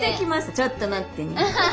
ちょっと待ってね。